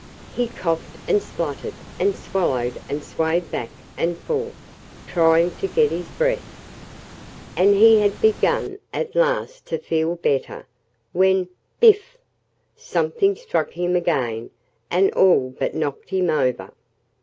He coughed and spluttered and swallowed and swayed back and forth, trying to get his breath. And he had begun, at last to feel better, when biff! something struck him again and all but knocked him over.